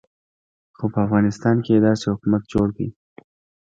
خو په افغانستان کې یې داسې حکومت جوړ کړ.